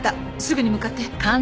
すぐに向かって。